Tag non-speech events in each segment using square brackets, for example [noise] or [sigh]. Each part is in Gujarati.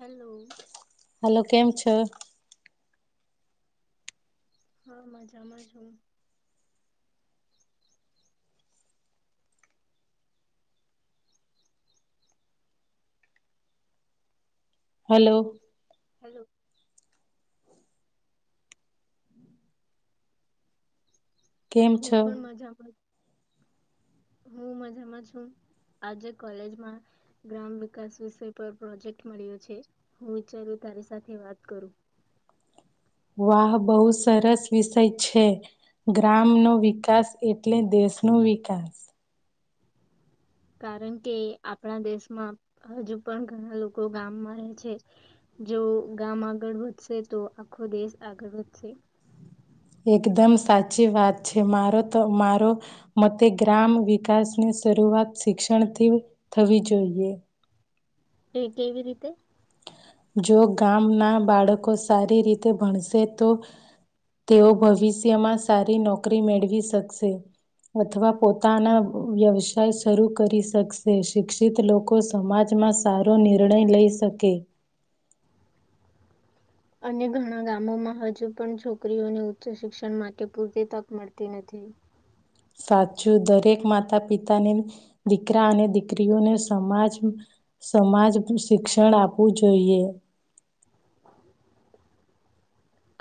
હેલો હલોો કેમ છ છ હા મજામાં છ હું હલો [inaudible] કેમ હું છો પણ મજામાંતી હું મજામાં છું આજે કોલેજમાં ગ્રામ વિકાસ વિષય પર પ્રોજેક્ટ મળ્યો છે હું વિચાર તારી સાથે વાત કરું વાહ બહુ સરસ વિષય છે ગ્રામનોો વિકાસ એટલે દેશનો વિકાસ કારણ કે આપણા દેશમાં હજુ પણ ઘણા લોકો ગામમાં રહે છે જો ગામ આગળ વધશે તો આખો દેશ આગળ વધશે એકદમ સાચી વાત છે મારો તો મારો મતે ગ્રામ વિકાસની શરૂઆત શિક્ષણથી થવી જોઈએ એ કેવી રીતે જો ગામના બાળકો સારી રીતે ભણશે તો તેઓ ભવિષ્યમાં સારી નોકરી મેળવી શકશે અથવા પોતાના વ્યવસાય શરૂ કરી શકશે શિક્ષિત લોકો સમાજમાં સારો નિર્ણય લઈ શકે અને ઘણા ગામોમાં હજુ પણ છોકરીઓને ઉચ્ચ શિક્ષણ માટે પૂરતી તક મળતી નથી સાચું દરેક માતા પિતાને દીકરા અને દીકરીઓને સમાજ સમાજ શિક્ષણ આપવું જોઈએ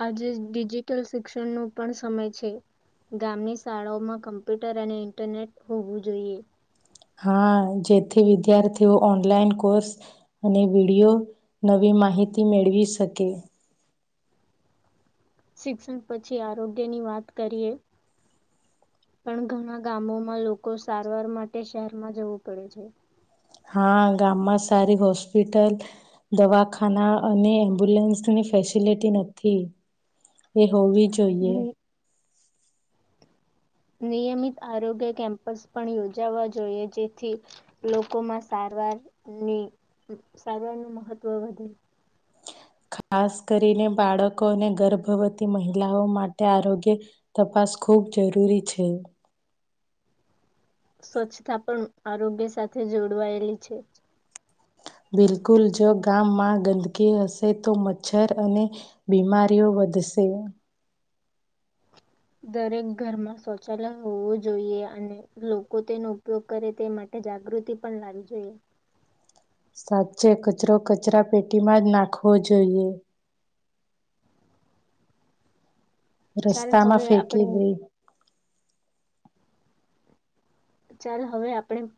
આજે ડિજિટલ શિક્ષણનો પણ સમય છે ગામની શાળાઓમાં કમ્પ્યુટર અને ઇન્ટરનેટ હોવું જોઈએ હા જેથી વિદ્યાર્થીઓ ઓનલાઈન કોર્સ અને વિડીિયો નવી માહિતી મેળવી શકે શિક્ષણ પછી આરોગ્ય ની વાત કરીએ પણ ઘણા ગામોમાં લોકો સારવાર માટે શહેરમાં જવું પડે છે હા ગામમાં સારી હોસ્પિટલ દવાખાના અને એમ્બ્યુલન્સની ફેસિલિટી નથી એ હોવી જોઈએ નિયમિત આરોગ્ય કેમ્પસ પણ યોજાવા જોઈએ જેથી લોકોમાં સારવારની સારવારનું મહત્વ વધે ખાસ કરીને બાળકો અને ગર્ભવતી મહિલાઓ માટે આરોગ્ય તપાસ ખૂબ જરૂરી છે સ્વચ્છતા પણ આરોગ્ય સાથે જોડવાયેલી છે બિલકુલ જો ગામમાં ગંદકી હશે તો મચ્છર અને બીમારીઓ વધશે દરેક ઘરમાં શૌચાલય હોવું જોઈએ અને લોકો તેનો ઉપયોગ કરે તે માટે જાગૃતિ પણ લાવવી જોઈએ સાચે કચરો કચરા પેટીમાં જ નાખવો જોઈએ ચાલ રસ્તા માં હવે ફેંકી આપણે દઈ ચાલ હવે આપણે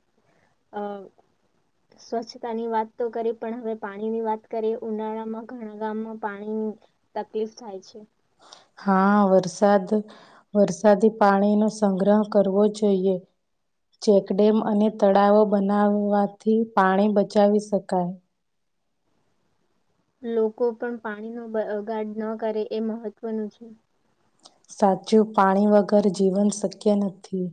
અ સ્વચ્છતાની વાત તો કરીએ પણ હવે પાણીની વાત કરીએ ઉનાળામાં ઘણા ગામમાં પાણીની તકલીફ થાય છે હા વરસાદ વરસાદી પાણીનોો સંગ્રહ કરવો જોઈએ ચેકડેમ અને તળાવો બનાવવાથી પાણી બચાવી શકાય લોકો પણ પાણી ન ગાડ ન કરે એ મહત્વનું છે સાચું પાણી વગર જીવન શક્ય નથી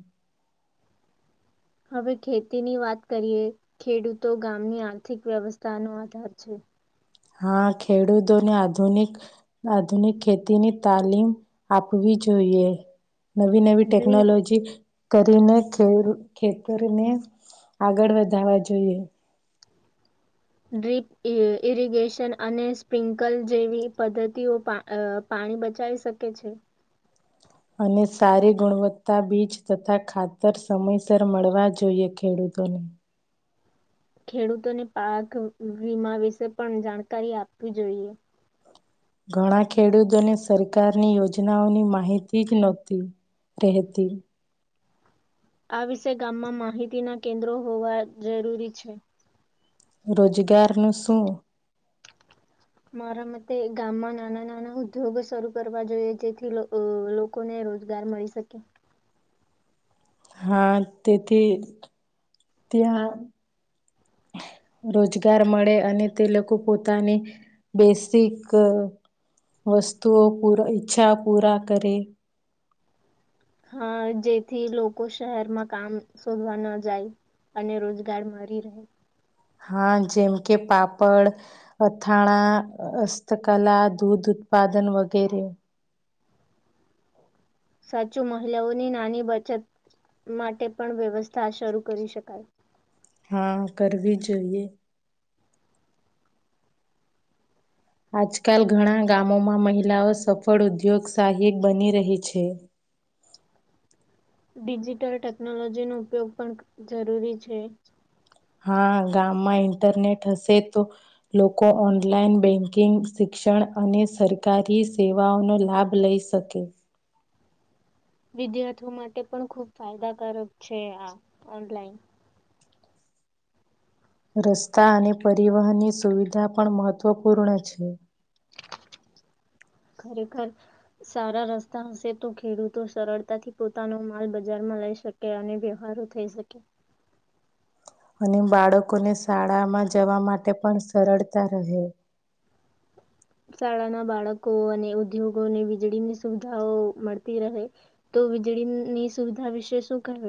હવે ખેતીની વાત કરીએ ખેડૂતો ગામની આર્થિક વ્યવસ્થાનો આધાર છે હા ખેડૂતોને આધુનિક આધુનિક ખેતીની તાલીમ આપવી જોઈએ નવી નવી ડ્રી ટેકનોલોજી કરીને ખે ખેતરને આગળ વધવા જોઈએ. ડ્રીપ ઇરિગેશન અને સ્પ્રિન્કલ જેવી પદ્ધતિઓ પાણી બચાવી શકે છે. અને સારી ગુણવત્તા બીજ તથા ખાતર સમયસર મળવા જોઈએ ખેડૂતોને. ખેડૂતોને પાક વીમા વિશે પણ જાણકારી આપવી જોઈએ. ઘણા ખેડૂતોને સરકારની યોજનાઓની માહિતી જ નહોતી રહેતી. આ વિશે ગામમાં માહિતીના કેન્દ્રો હોવા જરૂરી છે. રોજગારનું શું? મારા મતે ગામમાં નાના નાના ઉદ્યોગો શરૂ કરવા જોઈએ જેથી લોકોને રોજગાર મળી શકે. હા તેથી ત્યાં રોજગાર મળે અને તે લોકો પોતાની, બેસિક વસ્તુઓ પ ઈચ્છા પૂરા કરે. હા જેથી લોકો શહેરમાં કામ શોધવા ન જાય અને રોજગાર મળરી રહે. હા જેમ કે પાપડ, અથાણા, હસ્તકલા, દૂધ ઉત્પાદન વગેરે. સાચું મહિલાઓની નાની બચત માટે પણ વ્યવસ્થા શરૂ કરી શકાય. હા કરવી જોઈએ. આજકાલ ઘણા ગામોમાં મહિલાઓ સફળ ઉદ્યોગશહીક બની રહી છે. ડિજિટલ ટેકનોલોજીનો ઉપયોગ પણ જરૂરી છે. હા ગામમાં ઇન્ટરનેટ હશે તો, લોકો ઓનલાઈન બેંકિંગ, શિક્ષણ અને સરકારી સેવાઓનો લાભ લઈ શકે. વિદ્યાર્થીઓ માટે પણ ખુબ ફાયદાકારક છે આ ઓનલાઈન. રસ્તા અને પરિવહનની સુવિધા પણ મહત્વપૂર્ણ છે. ખરેખર, સારા રસ્તા હશે તો ખેડૂતો સરળતાથી પોતાનો માલ બજારમાં લઈ શકે અને વ્યવહારો થઈ શકે. અને બાળકોને શાળામાં જવા માટે પણ સરળતા રહે. શાળાના બાળકો અને ઉદ્યોગોને વીજળીની સુવિધાઓ મળતી રહે, તો વીજળીની સુવિધા વિશે શું કહેવ?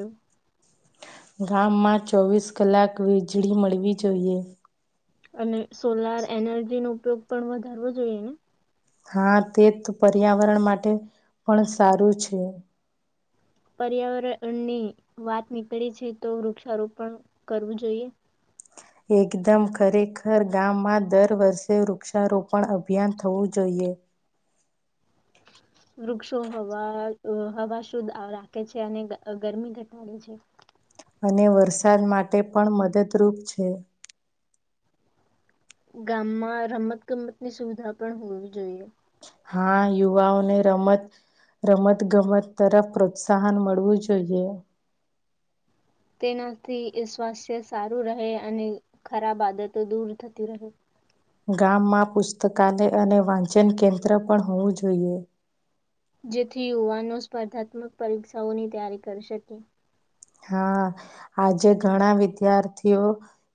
ગામમાં ચોવીસ કલાક વીજળી મળવી જોઈએ. અને સોલાર એનર્જીનો ઉપયોગ પણ વધારવો જોઈએ ને. હા તે પર્યાવરણ માટે પણ સારું છે. પર્યાવરણની વાત નીકળે છે તો વૃક્ષારોપણ કરવું જોઈએ. એકદમ ખરેખર ગામમાં દર વર્ષે વૃક્ષારોપણ અભિયાન થવું જોઈએ. વૃક્ષો હવા હવા શુદ્ધ રાખે છે અને ગરમી ઘટાડે છે. અને વરસાદ માટે પણ મદદરૂપ છે. ગામમાં રમત ગમત ની સુવિધા પણ હોવી જોઈએ. હા યુવાઓને રમત, રમત ગમત તરફ પ્રોત્સાહન મળવું જોઈએ. તેનાથી સ્વાસ્થ્ય સારું રહે અને ખરાબ આદતો દૂર થતી રહે. ગામમાં પુસ્તકાલય અને વાંચન કેન્દ્ર પણ હોવું જોઈએ. જેથી યુવાનો સ્પર્ધાત્મક પરીક્ષાઓની તૈયારી કરી શકે. હા, આજે ઘણા વિદ્યાર્થીઓ,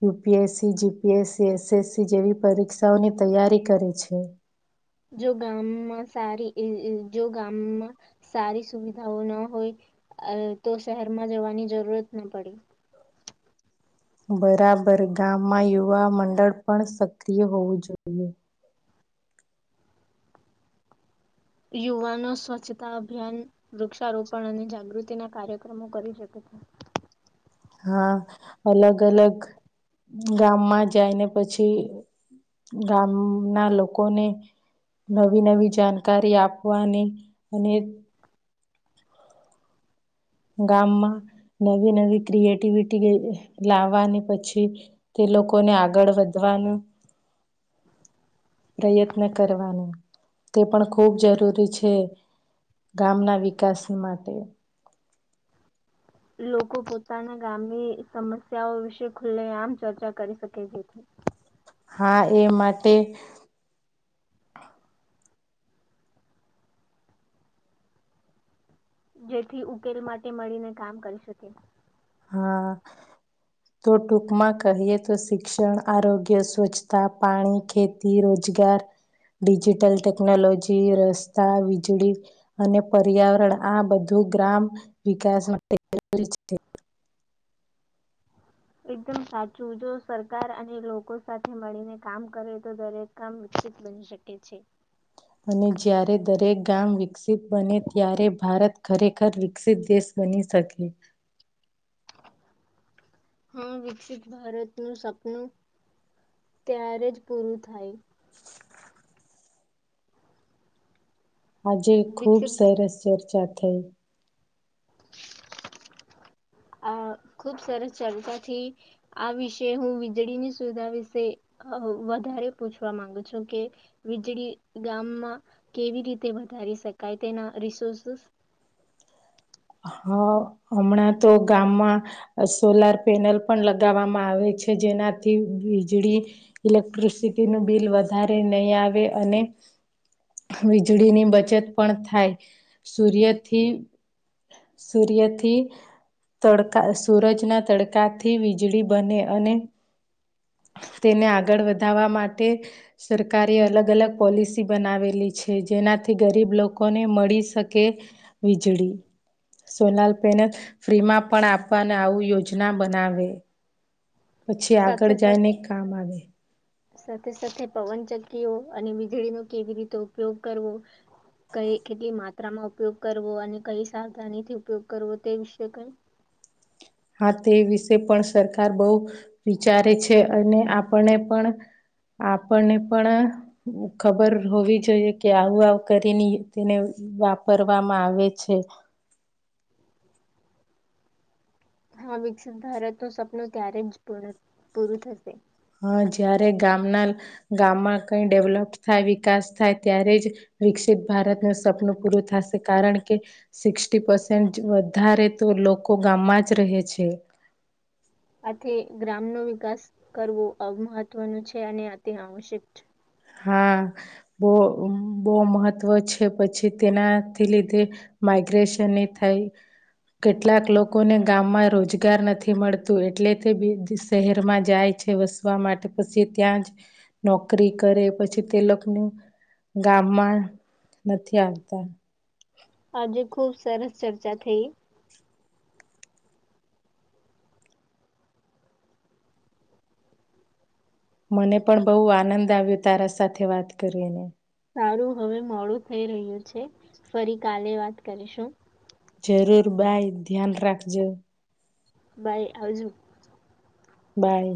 U P S C G P S C S S C જેવી પરીક્ષાઓની તૈયારી કરે છે. જો ગામમાં સ જો ગામમાં, સારી સુવિધાઓ ન હોય તો શહેરમાં જવાની જરૂરત ના પડે. બરાબર ગામમાં યુવા મંડળ પણ સક્રિય હોવું જોઈએ. યુવાનો સ્વચ્છતા અભિયાન વૃક્ષારોપણ અને જાગૃતિના કાર્યક્રમો કરી શકે છે. હા, અલગ અલગ ગામમાં જાયને પછી ગામના લોકોને, નવી નવી જાણકારી આપવાની અને ગામમાં નવી નવી ક્રિએટિવિટી લાવવાની પછી, તે લોકોને આગળ વધવાનું, પ્રયત્ન કરવાનું, તે પણ ખૂબ જરૂરી છે, ગામના વિકાસ માટે. લોકો પોતાના ગામની સમસ્યાઓ વિશે ખુલ્લે આમ ચર્ચા કરી શકે છે. હા એ માટે જેથી ઉકેલ માટે મળીને કામ કરી શકે. હા, તો ટૂંકમાં કહીએ તો શિક્ષણ આરોગ્ય સ્વચ્છતા પાણી ખેતી રોજગાર, ડિજિટલ ટેકનોલોજી રસ્તા વીજળી, અને પર્યાવરણ આ બધું ગ્રામ વિકાસ માટે છે. એકદમ સાચું જો સરકાર અને લોકો સાથે મળીને કામ કરે તો દરેક કામ વિકસિત બની શકે છે. અને જ્યારે દરેક ગામ વિકસિત બને ત્યારે ભારત ખરેખર વિકસિત દેશ બની શકે. હા વિકસિત ભારતનું સપનું ત્યારે જ પૂરું થાય. [inaudible] આજે ખુબ વિકસિત સરસ ચર્ચા [unintelligible] આ ખુબ સરસ ચર્ચાથી આ વિષ હું વીજળીની સુવિધા વિશે વધારે પૂછવા માંગુ છું કે વીજળી ગામમાં કેવી રીતે વધારી શકાય તેના રિસોર્સસ હ હમણાં તો ગામમાં સોલાર પેનલ પણ લગાવવામાં આવે છે જેનાથી વીજળી ઇલેક્ટ્રિસિટીનું બિલ વધારે નહીં આવે અને વીજળીની બચત પણ થાય સૂર્યથી સૂર્યથી તડકા સૂરજના તડકાથી વીજળી બને અને તેને આગળ વધાવા માટે સરકારે અલગ અલગ પોલિસી બનાવેલી છે જેનાથી ગરીબ લોકોને મળી શકે વીજળી સોલાર પેનલ ફ્રીમાં પણ આપવાના આવું યોજના બનાવે પછી આગળ સાથે જાય સાથે ને કામ આવે સાથે સાથે પવનચક્કીઓ અને વીજળીનો કેવી રીતે ઉપયોગ કરવો કઈ કેટલી માત્રામાં ઉપયોગ કરવો અને કઈ સાવધાનીથી ઉપયોગ કરવો તે વિશે કઈ હા તે વિશે પણ સરકાર બહુ વિચારે છે અને આપણને પણ આપણને પણ ખબર હોવી જોઈએ કે આવું આવું કરીને તેને વાપરવામાં આવે છે હા વિકસિત ભારત ન સપનું ત્યારે જ પૂરું થશે હા જ્યારે ગામના ગામમાં કંઈ ડેવલપ થાય વિકાસ થાય ત્યારે જ વિકસિત ભારતનું સપનું પૂરું થશે કારણ કે સિક્ષટી પર્સેન્ટ વધારે તો લોકો ગામમાં જ રહે છે આથી ગ્રામનો વિકાસ કરવો મહત્વનું છે અને તે અતી આવક્ષક છે હા બહુ બહુ મહત્ત્વ છે પછી તેનાથી લીધે માઈગ્રેશનની થાય કેટલાક લોકોને ગામમાં રોજગાર નથી મળતું એટલે તે બી શહેરમાં જાય છે વસવા માટે પછી ત્યાં જ નોકરી કરે પછી તે લોકોનું ગામમાં નથી આવતા આજે ખુબ સરસ ચર્ચા થઈ મને પણ બહુ આનંદ આવ્યો તારા સાથે વાત કરીને સારું હવે મોડું થઈ રહ્યું છે ફરી કાલે વાત કરીશું જરૂર બાય ધ્યાન રાખજો બાઈ આવજો બાય